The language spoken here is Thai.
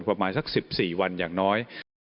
ประมาณสัก๑๔วันอย่างน้อย